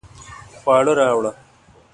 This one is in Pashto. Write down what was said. خواړه راوړه